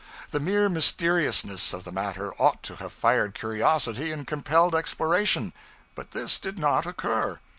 The mere mysteriousness of the matter ought to have fired curiosity and compelled exploration; but this did not occur.